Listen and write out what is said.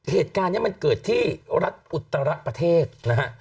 เหตุการณ์นี้มันเกิดที่รัฐอุตรประเทศนะฮะ